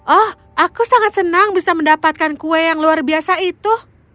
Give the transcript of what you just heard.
oh aku sangat senang bisa mendapatkan kue yang luar biasa itu